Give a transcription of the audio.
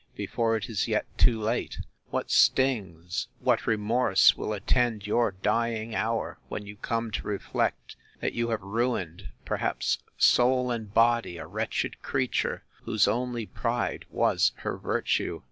before it is yet too late! what stings, what remorse will attend your dying hour, when you come to reflect, that you have ruined, perhaps soul and body, a wretched creature, whose only pride was her virtue!